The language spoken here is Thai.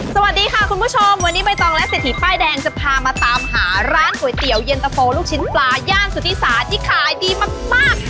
สวัสดีค่ะคุณผู้ชมวันนี้ใบตองและเศรษฐีป้ายแดงจะพามาตามหาร้านก๋วยเตี๋ยวเย็นตะโฟลูกชิ้นปลาย่านสุธิศาสตร์ที่ขายดีมาก